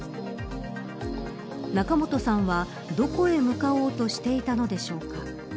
仲本さんはどこへ向かおうとしていたのでしょうか。